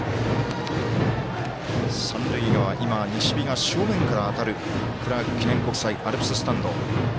三塁側西日が正面から当たるクラーク記念国際アルプススタンド。